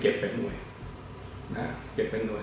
ก็จะเก็บเป็นหน่วย